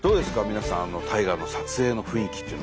皆さん大河の撮影の雰囲気っていうのは。